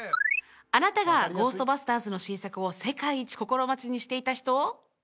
あなたが「ゴーストバスターズ」の新作を世界一心待ちにしていた人？